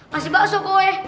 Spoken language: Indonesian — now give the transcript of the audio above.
ngasih bakso ke oe